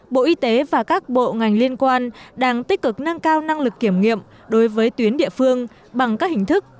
bộ y tế và các bộ ngành liên quan đang tích cực nâng cao năng lực kiểm nghiệm đối với tuyến địa phương bằng các hình thức